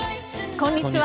こんにちは。